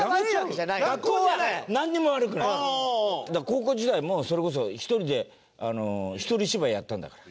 高校時代もうそれこそ１人で１人芝居やったんだから。